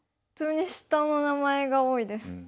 普通に下の名前が多いです。